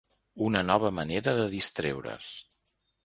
Una nova manera de distreure’s.